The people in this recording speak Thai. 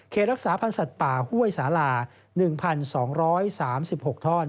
รักษาพันธ์สัตว์ป่าห้วยสาลา๑๒๓๖ท่อน